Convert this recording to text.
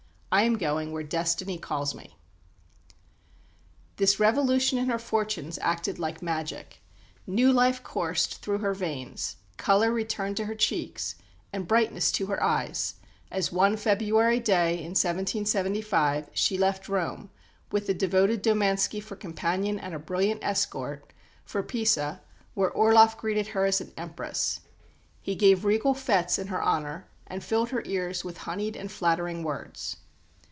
I am going where Destiny calls me." This revolution in her fortunes acted like magic. New life coursed through her veins, colour returned to her cheeks, and brightness to her eyes, as one February day in 1775 she left Rome, with the devoted Domanski for companion and a brilliant escort, for Pisa, where Orloff greeted her as an Empress. He gave regal fêtes in her honour and filled her ears with honeyed and flattering words.